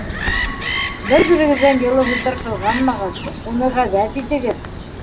Бер берегеҙҙән йылы һүҙҙәр ҡыҙғанмағыҙ, уны ғәҙәт итегеҙ.